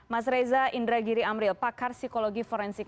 mas reza indragiri amril pakar psikologi forensik